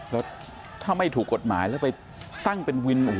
แล้วถ้าไม่ถูกกฎหมายแล้วไปตั้งเป็นวิน